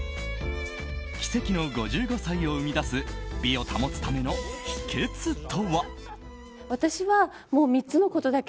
奇跡の５５歳を生み出す美を保つための秘訣とは。